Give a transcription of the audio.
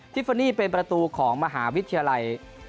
ฟานี่เป็นประตูของมหาวิทยาลัย